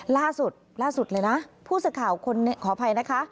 ล่าสุดเลยนะผู้สัดข่าวขออภัยนะคะ